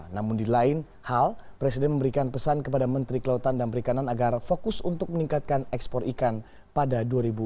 namun di lain hal presiden memberikan pesan kepada menteri kelautan dan perikanan agar fokus untuk meningkatkan ekspor ikan pada dua ribu dua puluh